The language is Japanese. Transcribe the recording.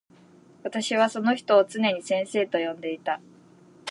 私はその人をつねに先生と呼んでいた。